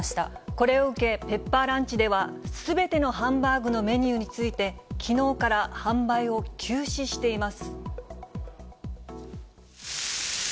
これを受け、ペッパーランチでは、すべてのハンバーグのメニューについて、きのうから販売を休止しています。